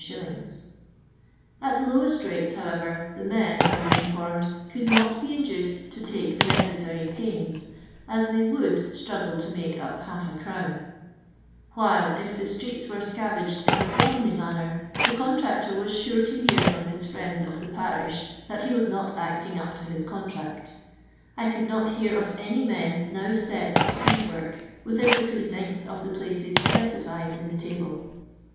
At the lowest rates, however, the men, I was informed, could not be induced to take the necessary pains, as they vxtuld struggle to " make up half a crown ;" while, if the streets were scavaged in a slovenly maitner, the contractor was sure to hear from his friends of the parish that he was not acting np to his contract I could not hear of any men now set to piece work within the precincts of the places specified in the table.